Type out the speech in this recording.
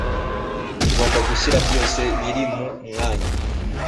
tugomba gushyira byose biri mu mwanya